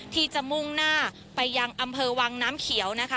ที่จะมุ่งหน้าไปยังอำเภอวังน้ำเขียวนะคะ